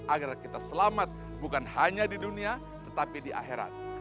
agar kita selamat bukan hanya di dunia tetapi di akhirat